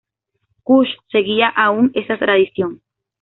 Kush seguía aún esa tradición.